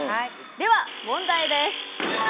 では、問題です。